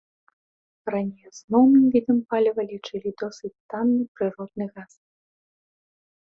Раней асноўным відам паліва лічылі досыць танны прыродны газ.